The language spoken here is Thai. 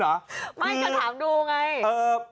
ไม่ก็ถามดูไง